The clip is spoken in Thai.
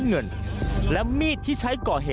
สวัสดีครับ